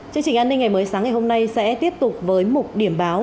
chương trình an ninh ngày mới sáng ngày hôm nay sẽ tiếp tục với mục điểm báo